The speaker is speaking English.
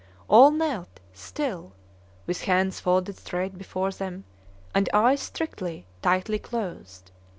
All knelt still, with hands folded straight before them, and eyes strictly, tightly closed.